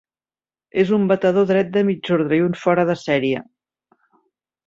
És un batedor dret de mig ordre i un fora de sèrie.